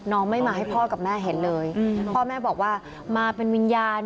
ไม่มาให้พ่อกับแม่เห็นเลยพ่อแม่บอกว่ามาเป็นวิญญาณ